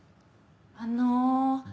あの。